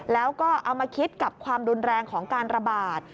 แล้วก็เอามาคิดกับความรุนแรงของการระบาด